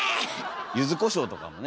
ゆずこしょうとかもね。